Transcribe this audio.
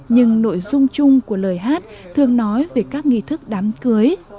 nhưng nội dung chung của lời hát thường nói về các nghi thức đám cưới